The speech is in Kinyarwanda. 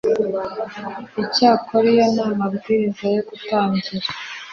icyakora iyo nta mabwiriza yo gutangira